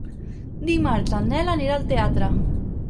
Dimarts en Nel anirà al teatre.